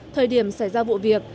thời điểm xảy ra vụ việc